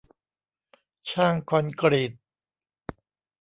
ช่างคอนกรีต